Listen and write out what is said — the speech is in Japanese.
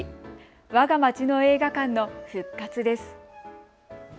わが街の映画館の復活です。